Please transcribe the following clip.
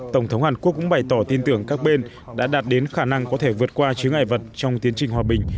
tổng thống hàn quốc cũng bày tỏ tin tưởng các bên đã đạt đến khả năng có thể vượt qua chứa ngại vật trong tiến trình hòa bình